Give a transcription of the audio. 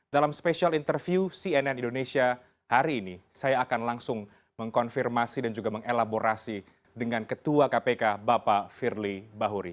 dalam spesial interview cnn indonesia hari ini saya akan langsung mengkonfirmasi dan juga mengelaborasi dengan ketua kpk bapak firly bahuri